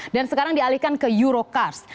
dan sekarang dialihkan ke eurocars